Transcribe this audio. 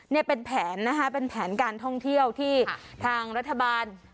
นี่เป็นแผนนะคะเป็นแผนการท่องเที่ยวที่ทางรัฐบาล